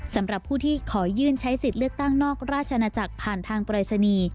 สำหรับผู้ที่ขอยื่นใช้สิทธิ์เลือกตั้งนอกราชนาจักรผ่านทางปรายศนีย์